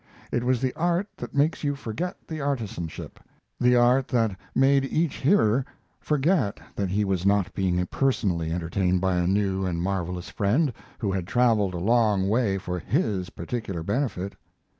It was the art that makes you forget the artisanship, the art that made each hearer forget that he was not being personally entertained by a new and marvelous friend, who had traveled a long way for his particular benefit.